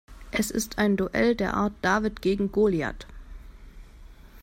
Es ist ein Duell der Art David gegen Goliath.